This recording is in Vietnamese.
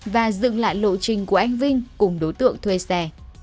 và dựng lại lộ trình của anh vinh cùng đối tượng thuê xe